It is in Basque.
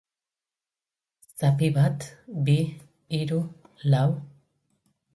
Zapi bat, bi, hiru, lau...